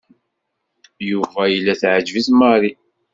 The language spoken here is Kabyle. Yuba yella teɛǧeb-it Mary.